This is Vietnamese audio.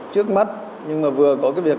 trước mắt nhưng mà vừa có cái việc